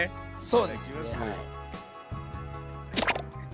そうですねはい。